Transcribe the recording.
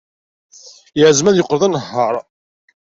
Yeɛzem ad yeqqel d anehhaṛ.